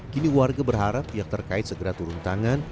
kini warga berharap pihak terkait segera turun tangan